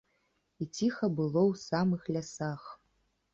І ціха было ў самых лясах.